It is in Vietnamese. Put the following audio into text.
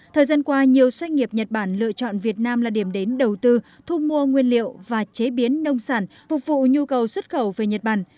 thời gian qua nhiều doanh nghiệp nhật bản lựa chọn việt nam là điểm đến đầu tư thu mua nguyên liệu và chế biến nông sản phục vụ nhu cầu xuất khẩu về nhật bản